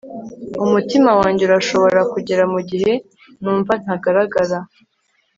umutima wanjye urashobora kugera, mugihe numva ntagaragara